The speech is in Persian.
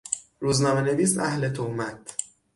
روزنامهنویس اهل تهمت